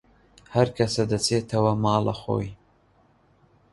هەرکەسە دەچێتەوە ماڵەخۆی